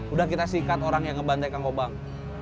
udah kita sikat orang yang ngebantai kang obang